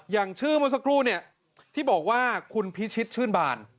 อย่างชื่อเมื่อสักครู่เนี่ยที่บอกว่าคุณพิชิตชื่นบาน